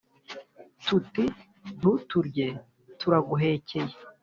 Tuti ntuturye turaguhekeye